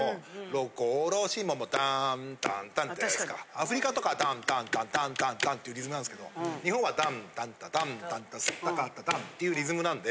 アフリカとかはダンタンタタンタンタンっていうリズムなんですけど日本はダンタタダンタタスッタタカタンっていうリズムなんで。